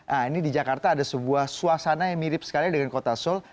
nah ini di jakarta ada sebuah suasana yang mirip sekali dengan kota seoul